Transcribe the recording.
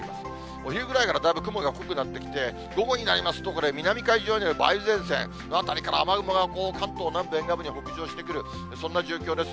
お昼ぐらいからだいぶ雲が濃くなってきて、午後になりますと、これ、南海上には梅雨前線辺りから雨雲が関東南部に北上してくる、そんな状況です。